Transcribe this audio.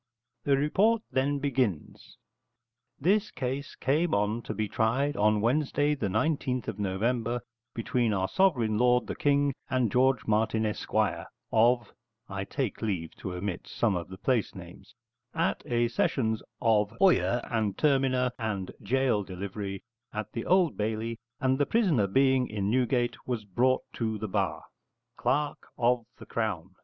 The report then begins: This case came on to be tried on Wednesday, the 19th of November, between our sovereign lord the King, and George Martin Esquire, of (I take leave to omit some of the place names), at a sessions of oyer and terminer and gaol delivery, at the Old Bailey, and the prisoner, being in Newgate, was brought to the bar. _Clerk of the Crown.